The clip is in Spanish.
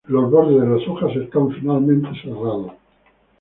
Los bordes de las hojas están finamente serrados.